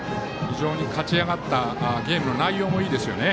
勝ち上がったゲームの内容もいいですよね。